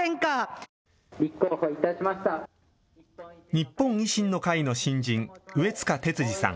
日本維新の会の新人、上塚哲司さん。